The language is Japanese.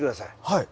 はい。